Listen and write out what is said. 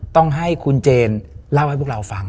ต้องให้คุณเจนเล่าให้พวกเราฟัง